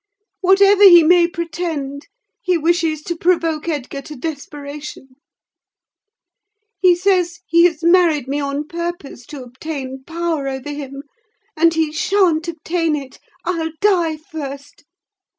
Whatever he may pretend, he wishes to provoke Edgar to desperation: he says he has married me on purpose to obtain power over him; and he sha'n't obtain it—I'll die first!